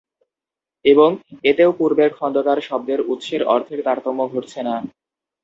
এবং এতেও পূর্বের খন্দকার’ শব্দের উৎসের অর্থের তারতম্য ঘটছে না।